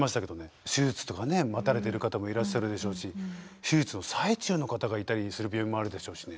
手術とかね待たれてる方もいらっしゃるでしょうし手術の最中の方がいたりする病院もあるでしょうしね。